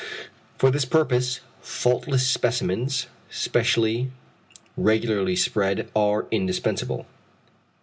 For this purpose, faultless specimens, specially regularly spread, are indispensable.